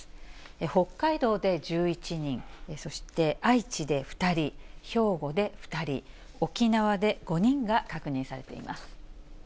北海道で１１人、そして愛知で２人、兵庫で２人、沖縄で５人が確認されています。